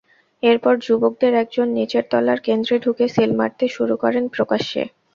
এরপর যুবকদের একজন নিচের তলার কেন্দ্রে ঢুকে সিল মারতে শুরু করেন প্রকাশ্যে।